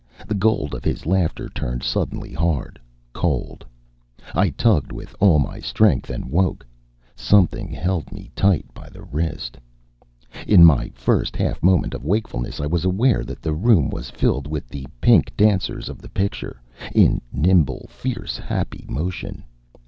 The gold of his laughter turned suddenly hard, cold. I tugged with all my strength, and woke. Something held me tight by the wrist. In my first half moment of wakefulness I was aware that the room was filled with the pink dancers of the picture, in nimble, fierce happy motion.